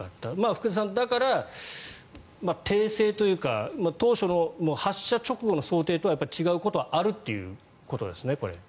福田さん、だから訂正というか当初の発射直後の想定とは違うことがあるということですね。